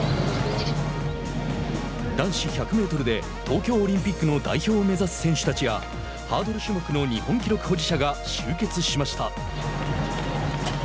男子１００メートルで東京オリンピックの代表を目指す選手たちやハードル種目の日本記録保持者が集結しました。